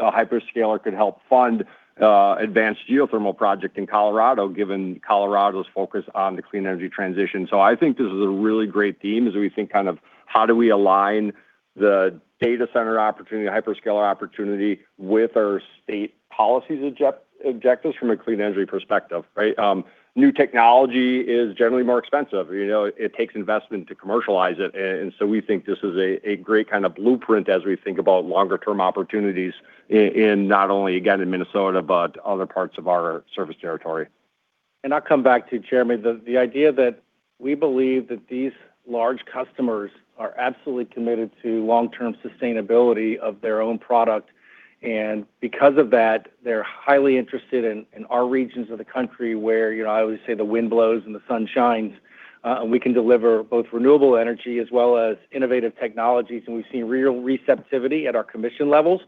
a hyperscaler could help fund an advanced geothermal project in Colorado, given Colorado's focus on the clean energy transition. I think this is a really great theme as we think kind of how do we align the data center opportunity, hyperscaler opportunity with our state policies objectives from a clean energy perspective, right? New technology is generally more expensive. You know, it takes investment to commercialize it. We think this is a great kind of blueprint as we think about longer term opportunities in not only, again, in Minnesota, but other parts of our service territory. I'll come back to you, Jeremy. The idea that we believe that these large customers are absolutely committed to long-term sustainability of their own product. Because of that, they're highly interested in our regions of the country where, you know, I always say the wind blows and the sun shines. We can deliver both renewable energy as well as innovative technologies, and we've seen real receptivity at our commission levels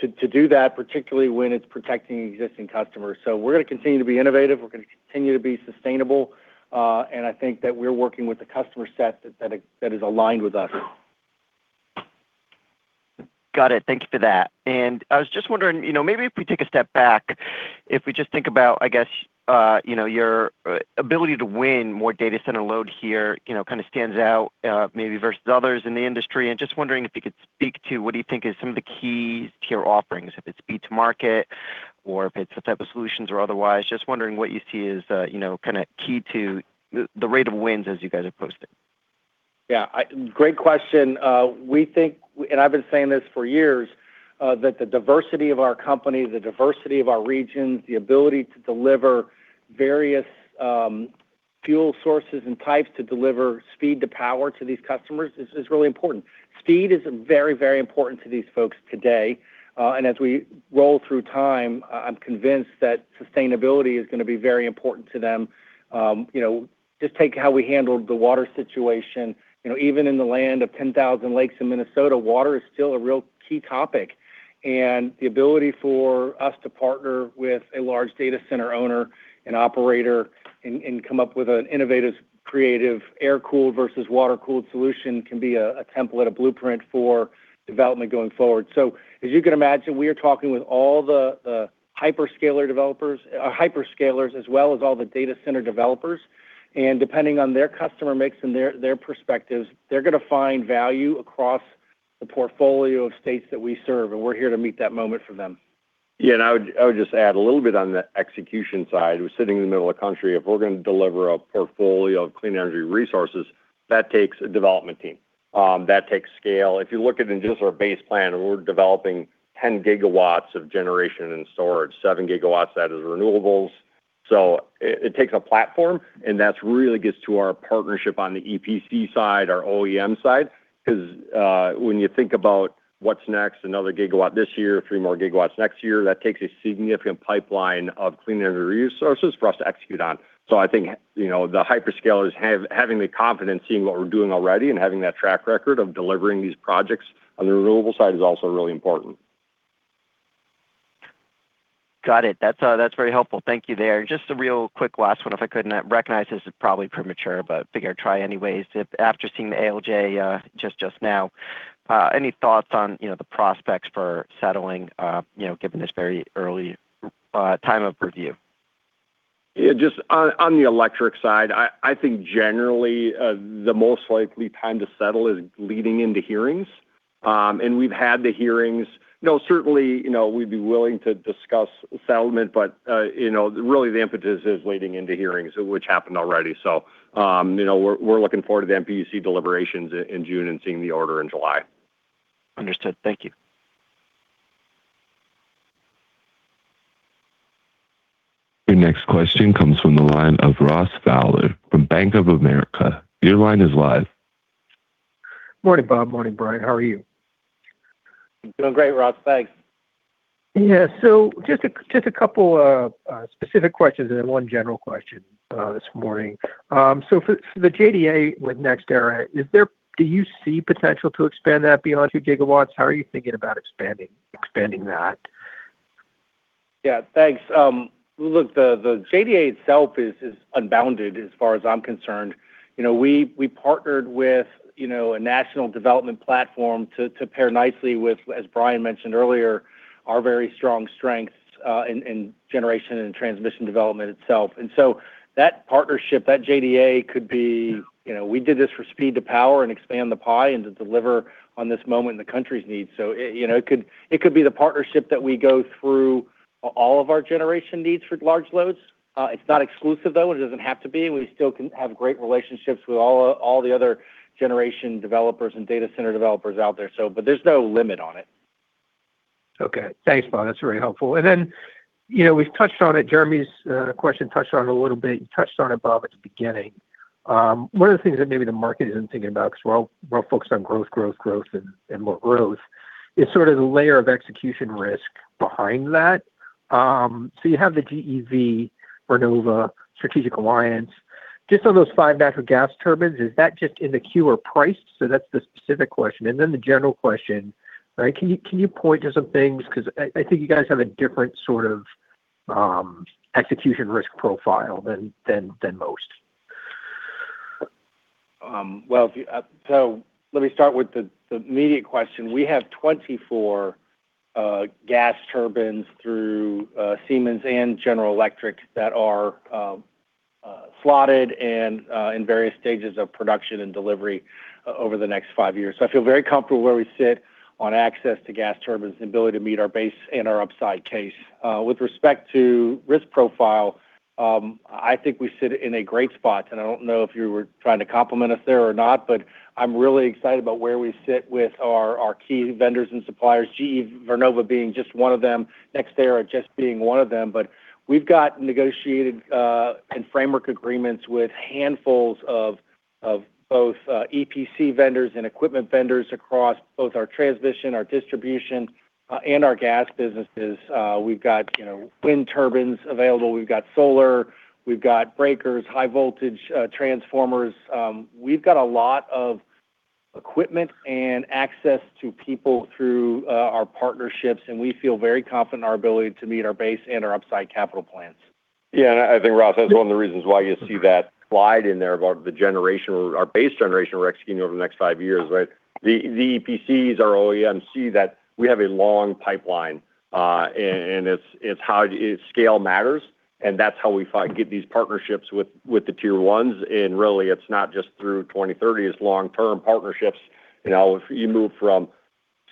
to do that, particularly when it's protecting existing customers. We're gonna continue to be innovative, we're gonna continue to be sustainable, and I think that we're working with a customer set that is aligned with us. Got it. Thank you for that. I was just wondering, you know, maybe if we take a step back, if we just think about, I guess, you know, your ability to win more data center load here, you know, kinda stands out, maybe versus others in the industry. Just wondering if you could speak to what do you think is some of the keys to your offerings, if it's speed to market or if it's the type of solutions or otherwise. Just wondering what you see as, you know, kinda key to the rate of wins as you guys have posted. Yeah. Great question. We think, and I've been saying this for years, that the diversity of our company, the diversity of our regions, the ability to deliver various fuel sources and types to deliver speed to power to these customers is really important. Speed is very important to these folks today. As we roll through time, I'm convinced that sustainability is going to be very important to them. You know, just take how we handled the water situation. You know, even in the land of 10,000 lakes in Minnesota, water is still a real key topic. The ability for us to partner with a large data center owner and operator and come up with an innovative, creative air-cooled versus water-cooled solution can be a template, a blueprint for development going forward. As you can imagine, we are talking with all the hyperscaler developers, hyperscalers, as well as all the data center developers. Depending on their customer mix and their perspectives, they're gonna find value across the portfolio of states that we serve, and we're here to meet that moment for them. Yeah. I would just add a little bit on the execution side. We're sitting in the middle of the country. If we're gonna deliver a portfolio of clean energy resources, that takes a development team. That takes scale. If you look at in just our base plan, we're developing 10 GW of generation and storage, 7 GW that is renewables. It takes a platform, and that really gets to our partnership on the EPC side, our OEM side. 'Cause when you think about what's next, another gigawatt this year, three more gigawatts next year, that takes a significant pipeline of clean energy resources for us to execute on. I think, you know, the hyperscalers having the confidence, seeing what we're doing already and having that track record of delivering these projects on the renewable side is also really important. Got it. That's, that's very helpful. Thank you there. Just a real quick last one, if I could. I recognize this is probably premature, but figure I'd try anyways. If after seeing the ALJ, just now, any thoughts on, you know, the prospects for settling, you know, given this very early time of review? Yeah, just on the electric side, I think generally, the most likely time to settle is leading into hearings. We've had the hearings. You know, certainly, you know, we'd be willing to discuss settlement, but, you know, really the impetus is leading into hearings, which happened already. You know, we're looking forward to the MPUC deliberations in June and seeing the order in July. Understood. Thank you. Your next question comes from the line of Ross Fowler from Bank of America. Your line is live. Morning, Bob. Morning, Brian. How are you? I'm doing great, Ross. Thanks. Yeah. Just a couple of specific questions and then one general question this morning. For the JDA with NextEra, do you see potential to expand that beyond 2 GW? How are you thinking about expanding that? Yeah, thanks. Look, the JDA itself is unbounded as far as I'm concerned. You know, we partnered with, you know, a national development platform to pair nicely with, as Brian mentioned earlier, our very strong strengths in generation and transmission development itself. That partnership, that JDA could be, you know, we did this for speed to power and expand the pie and to deliver on this moment in the country's needs. You know, it could, it could be the partnership that we go through all of our generation needs for large loads. It's not exclusive, though. It doesn't have to be. We still can have great relationships with all the other generation developers and data center developers out there, but there's no limit on it. Okay. Thanks, Bob. That's very helpful. You know, we've touched on it, Jeremy's question touched on it a little bit. You touched on it, Bob, at the beginning. One of the things that maybe the market isn't thinking about, 'cause we're all focused on growth, growth, and more growth, is sort of the layer of execution risk behind that. You have the GE Vernova strategic alliance. Just on those five natural gas turbines, is that just in the queue or priced? That's the specific question. The general question. Right. Can you point to some things? I think you guys have a different sort of execution risk profile than most. Let me start with the immediate question. We have 24 gas turbines through Siemens and General Electric that are slotted and in various stages of production and delivery over the next five years. I feel very comfortable where we sit on access to gas turbines, the ability to meet our base and our upside case. With respect to risk profile, I think we sit in a great spot, and I don't know if you were trying to compliment us there or not, but I'm really excited about where we sit with our key vendors and suppliers. GE Vernova being just one of them. NextEra just being one of them. We've got negotiated and framework agreements with handfuls of both EPC vendors and equipment vendors across both our transmission, our distribution, and our gas businesses. We've got, you know, wind turbines available. We've got solar. We've got breakers, high voltage transformers. We've got a lot of equipment and access to people through our partnerships, and we feel very confident in our ability to meet our base and our upside capital plans. Yeah. I think, Ross, that's one of the reasons why you see that slide in there about the generation or our base generation we're executing over the next five years, right? The EPCs, our OEMs see that we have a long pipeline, and it's Scale matters, and that's how we get these partnerships with the Tier 1s. Really, it's not just through 2030. It's long-term partnerships. You know, if you move from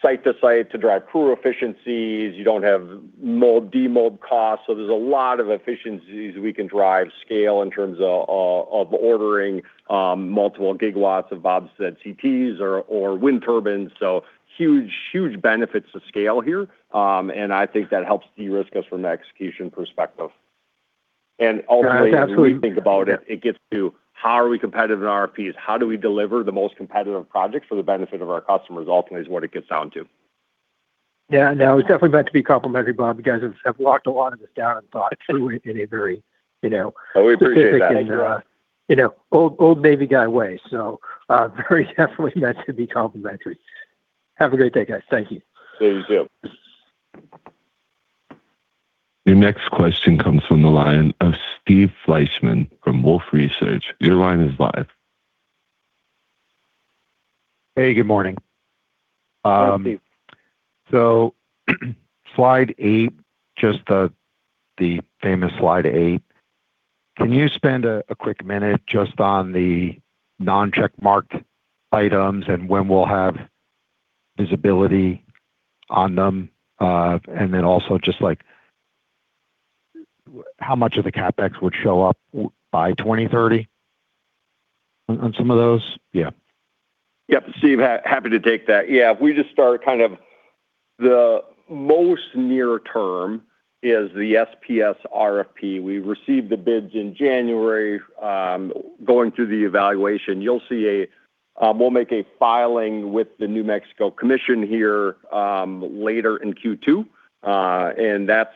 site to site to drive crew efficiencies, you don't have mold, demold costs. There's a lot of efficiencies we can drive scale in terms of ordering multiple gigawatts of Bob said CTs or wind turbines. Huge benefits to scale here. I think that helps de-risk us from an execution perspective. Yeah. Absolutely. When we think about it gets to how are we competitive in RFPs? How do we deliver the most competitive projects for the benefit of our customers ultimately is what it gets down to. Yeah. No, I was definitely meant to be complimentary, Bob. You guys have locked a lot of this down and thought through it in a very, you know- Oh, we appreciate that. -specific and, you know, old Navy guy way. Very definitely meant to be complimentary. Have a great day, guys. Thank you. Yeah, you too. Your next question comes from the line of Steve Fleishman from Wolfe Research. Your line is live. Hey, good morning. Hi, Steve. Slide eight, just, the famous slide eight. Can you spend a quick minute just on the non-check marked items and when we'll have visibility on them? Also just, like, how much of the CapEx would show up by 2030 on some of those? Yeah. Yep. Steve, happy to take that. Yeah. If we just start kind of the most near term is the SPS RFP. We received the bids in January, going through the evaluation. You'll see a. We'll make a filing with the New Mexico Commission here, later in Q2. That's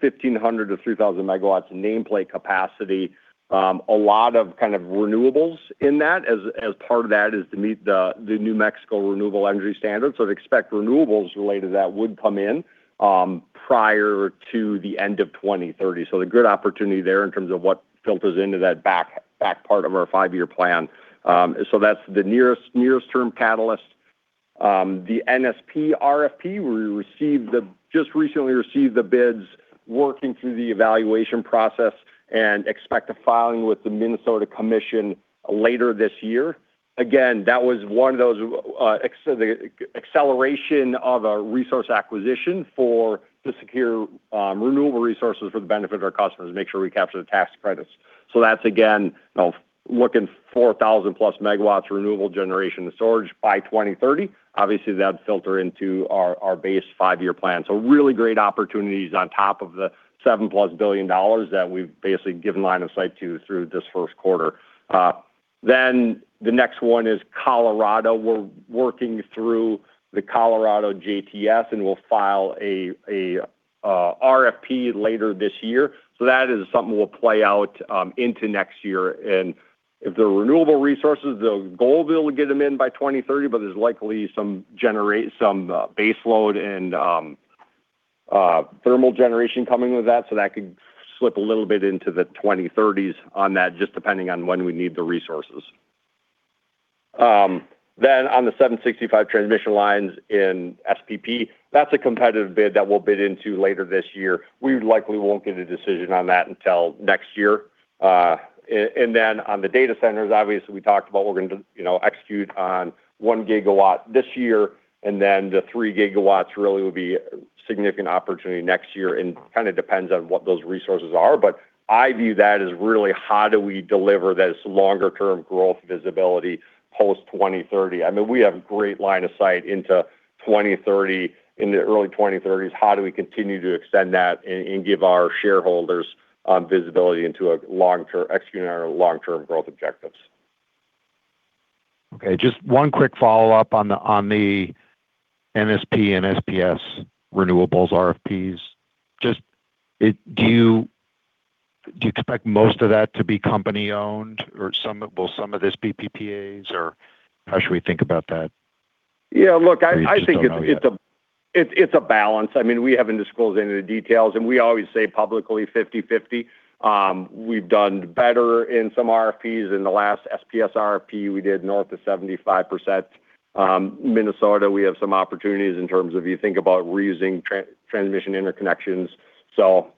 1,500 MW-3,000 MW nameplate capacity. A lot of kind of renewables in that as part of that is to meet the New Mexico Renewable Portfolio Standard. I'd expect renewables related to that would come in prior to the end of 2030. The good opportunity there in terms of what filters into that back part of our five-year plan. That's the nearest term catalyst. The NSP RFP, we received the just recently received the bids, working through the evaluation process and expect a filing with the Minnesota Commission later this year. That was one of those, the acceleration of a resource acquisition for to secure renewable resources for the benefit of our customers, make sure we capture the tax credits. That's again, you know, looking 4,000+ MW renewable generation storage by 2030. That'd filter into our base five-year plan. Really great opportunities on top of the $7+ billion that we've basically given line of sight to through this first quarter. The next one is Colorado. We're working through the Colorado JTS, and we'll file a RFP later this year. That is something we'll play out into next year. If the renewable resources, the goal will get them in by 2030, but there's likely some generate some base load and thermal generation coming with that, so that could slip a little bit into the 2030s on that, just depending on when we need the resources. On the 765 transmission lines in SPP, that's a competitive bid that we'll bid into later this year. We likely won't get a decision on that until next year. On the data centers, obviously, we talked about we're going to, you know, execute on 1 GW this year, and the 3 GW really will be a significant opportunity next year and kind of depends on what those resources are. I view that as really how do we deliver this longer term growth visibility post-2030. I mean, we have great line of sight into 2030, into early 2030s. How do we continue to extend that and give our shareholders, visibility into executing our long-term growth objectives? Okay. Just one quick follow-up on the, on the NSP and SPS renewables RFPs. Just, do you- Do you expect most of that to be company-owned or will some of this be PPAs or how should we think about that? Yeah, look, I think it's- You just don't know yet.... it's a balance. I mean, we haven't disclosed any of the details, and we always say publicly 50/50. We've done better in some RFPs. In the last SPS RFP, we did north of 75%. Minnesota, we have some opportunities in terms of you think about reusing transmission interconnections.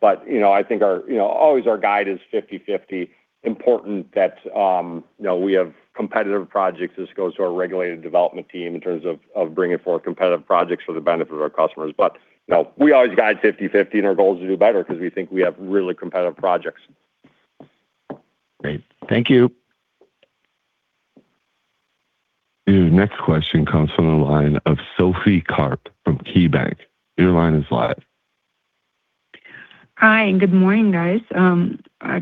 But, you know, I think our, you know, always our guide is 50/50. Important that, you know, we have competitive projects. This goes to our regulated development team in terms of bringing forward competitive projects for the benefit of our customers. But, you know, we always guide 50/50, and our goal is to do better because we think we have really competitive projects. Great. Thank you. The next question comes from the line of Sophie Karp from KeyBank. Your line is live. Hi, good morning, guys.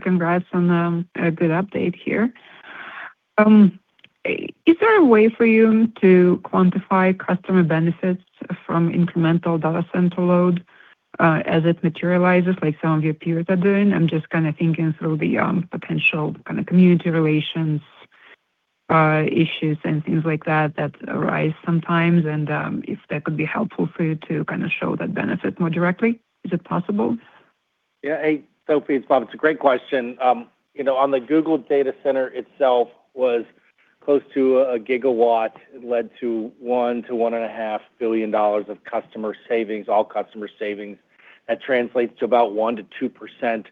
Congrats on a good update here. Is there a way for you to quantify customer benefits from incremental data center load as it materializes like some of your peers are doing? I'm just kinda thinking through the potential kinda community relations issues and things like that arise sometimes and if that could be helpful for you to kinda show that benefit more directly. Is it possible? Yeah. Hey, Sophie, it's Bob. It's a great question. you know, on the Google data center itself was close to 1 GW. It led to $1 billion to $1.5 billion of customer savings, all customer savings. That translates to about 1%-2%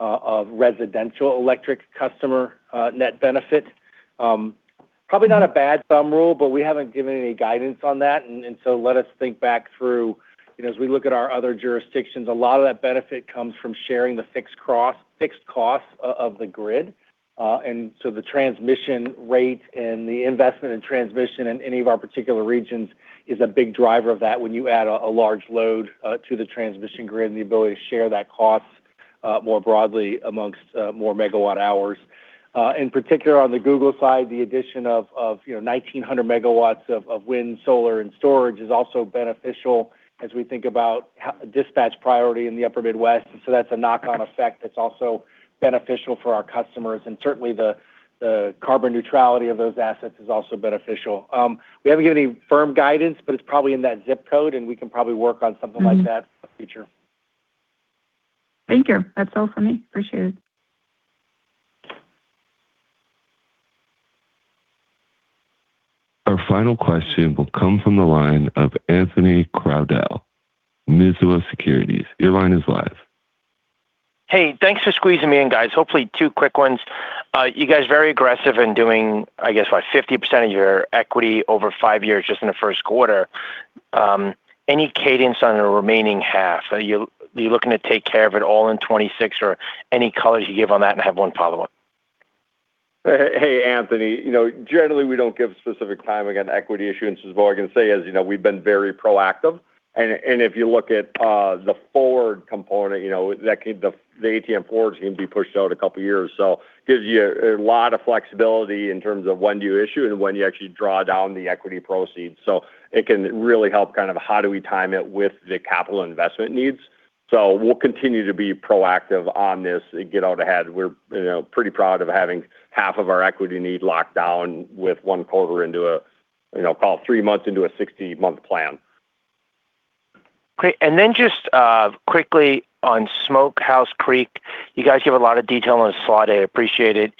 of residential electric customer net benefit. Probably not a bad thumb rule, but we haven't given any guidance on that. Let us think back through, you know, as we look at our other jurisdictions, a lot of that benefit comes from sharing the fixed costs of the grid. So the transmission rate and the investment in transmission in any of our particular regions is a big driver of that when you add a large load to the transmission grid and the ability to share that cost more broadly amongst more megawatt hours. In particular, on the Google side, the addition of, you know, 1,900 MW of wind, solar, and storage is also beneficial as we think about dispatch priority in the upper Midwest. That's a knock-on effect that's also beneficial for our customers. Certainly the carbon neutrality of those assets is also beneficial. We haven't given any firm guidance, but it's probably in that zip code, and we can probably work on something like that- Mm-hmm -in the future. Thank you. That's all for me. Appreciate it. Our final question will come from the line of Anthony Crowdell, Mizuho Securities. Your line is live. Hey. Thanks for squeezing me in, guys. Hopefully two quick ones. You guys very aggressive in doing, I guess, what, 50% of your equity over five years just in the first quarter. Any cadence on the remaining half? Are you looking to take care of it all in 2026 or any colors you give on that? I have one follow-up. Hey, Anthony. You know, generally, we don't give specific timing on equity issuance. All I can say is, you know, we've been very proactive. If you look at the forward component, you know, the ATM forwards can be pushed out a couple years. Gives you a lot of flexibility in terms of when do you issue and when you actually draw down the equity proceeds. It can really help kind of how do we time it with the capital investment needs. We'll continue to be proactive on this and get out ahead. We're, you know, pretty proud of having half of our equity need locked down with one quarter into a, you know, call it three months into a 60-month plan. Great. Just quickly on Smokehouse Creek. You guys gave a lot of detail on the slide. I appreciate it.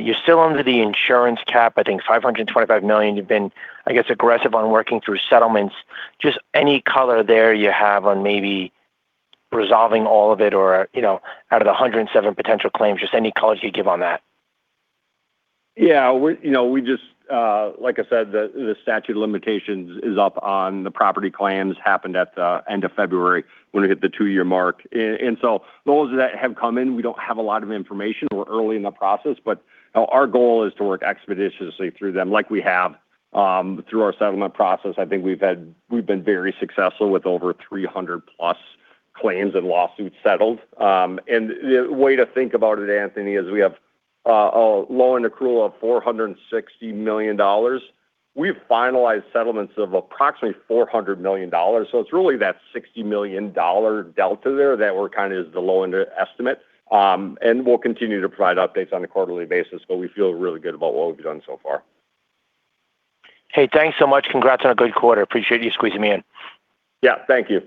You're still under the insurance cap, I think $525 million. You've been, I guess, aggressive on working through settlements. Just any color there you have on maybe resolving all of it or, you know, out of the 107 potential claims, just any color you'd give on that? Yeah. We, you know, we just like I said, the statute of limitations is up on the property claims, happened at the end of February when it hit the two-year mark. Those that have come in, we don't have a lot of information. We're early in the process, but our goal is to work expeditiously through them like we have through our settlement process. I think we've been very successful with over 300+ claims and lawsuits settled. The way to think about it, Anthony, is we have a loan accrual of $460 million. We've finalized settlements of approximately $400 million, so it's really that $60 million delta there that we're kinda is the low end estimate. We'll continue to provide updates on a quarterly basis. We feel really good about what we've done so far. Hey, thanks so much. Congrats on a good quarter. Appreciate you squeezing me in. Yeah. Thank you.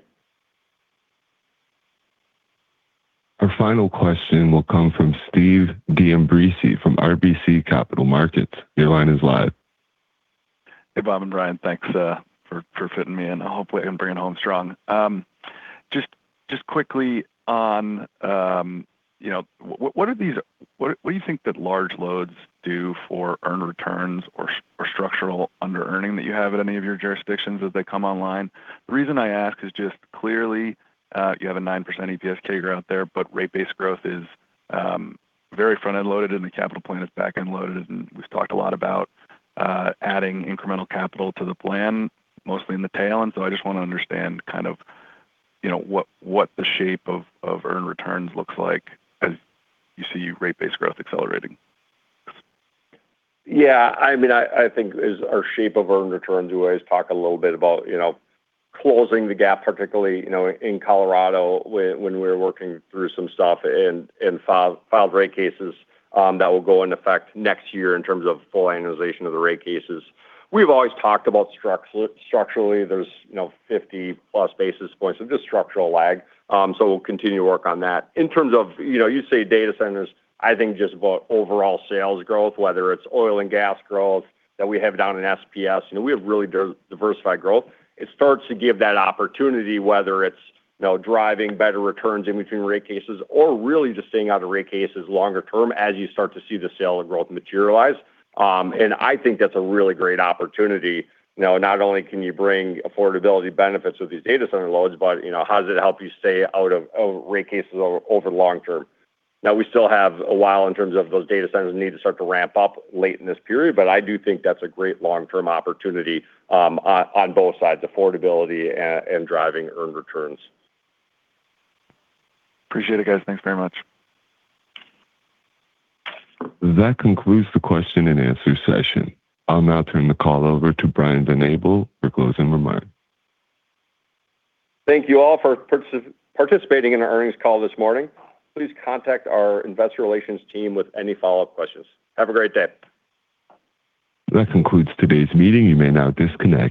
Our final question will come from Stephen D'Ambrisi from RBC Capital Markets. Your line is live. Hey, Bob and Brian. Thanks for fitting me in. Hopefully I can bring it home strong. Just quickly on, you know, what do you think that large loads do for earned returns or structural underearning that you have at any of your jurisdictions as they come online? The reason I ask is just clearly, you have a 9% EPS CAGR out there, rate base growth is very front-end loaded, and the capital plan is back-end loaded. We've talked a lot about adding incremental capital to the plan, mostly in the tail. I just wanna understand kind of, you know, what the shape of earned returns looks like as you see rate base growth accelerating. Yeah. I mean, I think as our shape of earned returns, we always talk a little bit about, you know, closing the gap, particularly, you know, in Colorado when we're working through some stuff and filed rate cases that will go into effect next year in terms of full annualization of the rate cases. We've always talked about structurally, there's, you know, 50+ basis points of just structural lag. We'll continue to work on that. In terms of, you know, you say data centers, I think just about overall sales growth, whether it's oil and gas growth that we have down in SPS, you know, we have really diversified growth. It starts to give that opportunity, whether it's, you know, driving better returns in between rate cases or really just staying out of rate cases longer term as you start to see the scale of growth materialize. I think that's a really great opportunity. You know, not only can you bring affordability benefits with these data center loads, but, you know, how does it help you stay out of rate cases over long term? Now, we still have a while in terms of those data centers need to start to ramp up late in this period, but I do think that's a great long-term opportunity on both sides, affordability and driving earned returns. Appreciate it, guys. Thanks very much. That concludes the question and answer session. I'll now turn the call over to Brian Van Abel for closing remarks. Thank you all for participating in our earnings call this morning. Please contact our investor relations team with any follow-up questions. Have a great day. That concludes today's meeting. You may now disconnect.